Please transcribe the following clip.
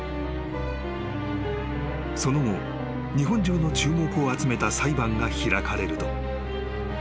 ［その後日本中の注目を集めた裁判が開かれると］